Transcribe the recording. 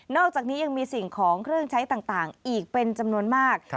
อกจากนี้ยังมีสิ่งของเครื่องใช้ต่างอีกเป็นจำนวนมาก